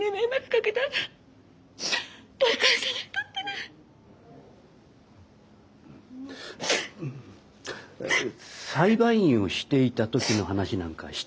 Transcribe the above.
裁判員をしていた時の話なんかしていましたか？